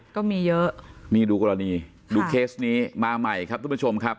ก็มีเยอะนี่ดูกรณีดูเคสนี้มาใหม่ครับทุกผู้ชมครับ